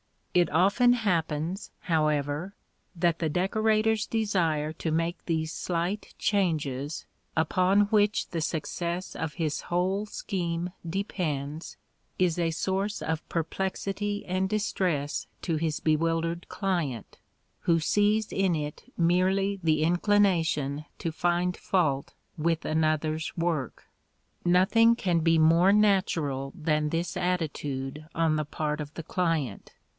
It often happens, however, that the decorator's desire to make these slight changes, upon which the success of his whole scheme depends, is a source of perplexity and distress to his bewildered client, who sees in it merely the inclination to find fault with another's work. Nothing can be more natural than this attitude on the part of the client.